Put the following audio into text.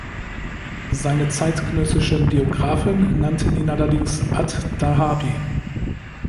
Seine zeitgenössischen Biographen nannten ihn allerdings adh-Dhahabi.